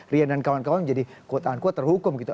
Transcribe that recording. rian dan kawan kawan menjadi kuat kawan terhukum gitu